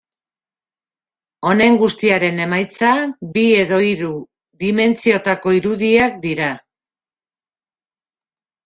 Honen guztiaren emaitza bi edo hiru dimentsiotako irudiak dira.